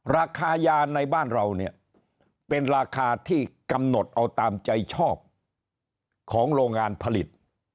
ราคายาในบ้านเราเนี่ยเป็นราคาที่กำหนดเอาตามใจชอบของโรงงานผลิต